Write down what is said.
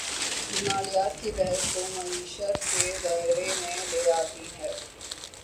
جمالیات کی بحث کو معیشت کے دائرے میں لے آتی ہے۔